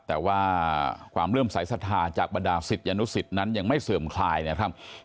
แต่ว่าความเริ่มสายศรัทธาจากบรรดาศิษยานุสิตนั้นยังไม่เสื่อมคลายนะครับ